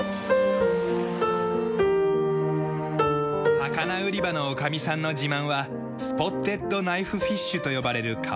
魚売り場の女将さんの自慢はスポッテッド・ナイフフィッシュと呼ばれる川魚。